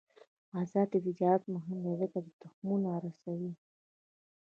آزاد تجارت مهم دی ځکه چې تخمونه رسوي.